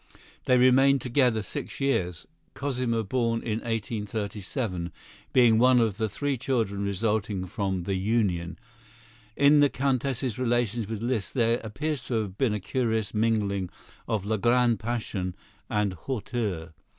They remained together six years, Cosima, born in 1837, being one of the three children resulting from the union. In the Countess's relations with Liszt there appears to have been a curious mingling of la grande passion and hauteur.